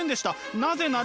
なぜなら。